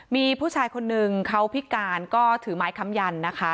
มีผู้ชายคนนึงเขาพิการก็ถือไม้ค้ำยันนะคะ